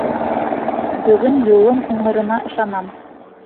Бөгөн юлым уңырына ышанам.